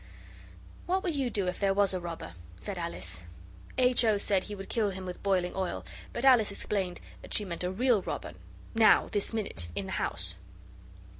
'What would you do if there was a robber?' said Alice. H. O. said he would kill him with boiling oil; but Alice explained that she meant a real robber now this minute in the house.